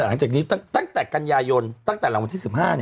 หลังจากนี้ตั้งแต่กันยายนตั้งแต่หลังวันที่๑๕